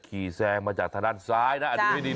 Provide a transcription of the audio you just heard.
แซงมาจากทางด้านซ้ายนะดูให้ดี